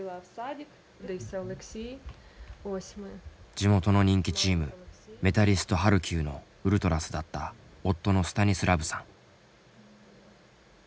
地元の人気チームメタリスト・ハルキウのウルトラスだった夫のスタニスラヴさん。